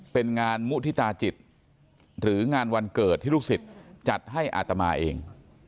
เป็นงานมุฒิตาจิตหรืองานวันเกิดที่ลูกศิษย์จัดให้อาตมาเอง